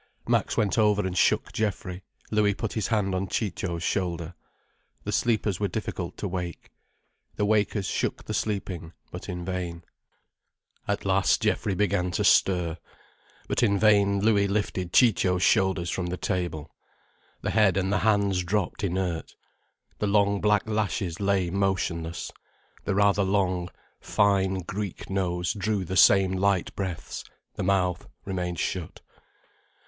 Max went over and shook Geoffrey, Louis put his hand on Ciccio's shoulder. The sleepers were difficult to wake. The wakers shook the sleeping, but in vain. At last Geoffrey began to stir. But in vain Louis lifted Ciccio's shoulders from the table. The head and the hands dropped inert. The long black lashes lay motionless, the rather long, fine Greek nose drew the same light breaths, the mouth remained shut.